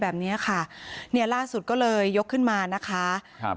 แบบเนี้ยค่ะเนี่ยล่าสุดก็เลยยกขึ้นมานะคะครับ